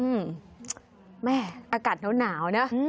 อื้อแม่อากาศหนาวนะ